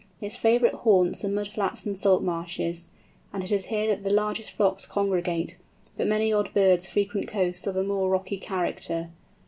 Its favourite haunts are mud flats and salt marshes, and it is here that the largest flocks congregate, but many odd birds frequent coasts of a more rocky character.